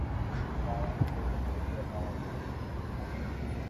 dawa hizo zinaitwa dawa za kurefusha maisha